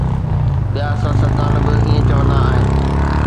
ٻيا سياستدان به ائين چوندا آهن.